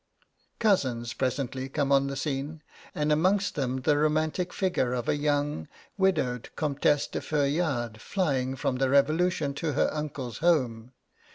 Cousins presently come on the scene, and amongst them the romantic figure of a young, widowed Comtesse de Feuillade, flying from the Revolution to her uncle's home.